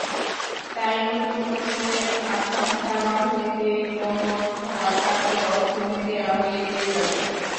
তাই নতুন বছরের আকাঙ্ক্ষা—রাজনীতির গুমোট ভাব কাটবে, অর্থনীতি আরও এগিয়ে যাবে।